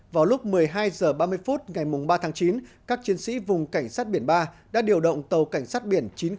vào lúc một mươi hai h ba mươi phút ngày ba tháng chín các chiến sĩ vùng cảnh sát biển ba đã điều động tàu cảnh sát biển chín trăm chín mươi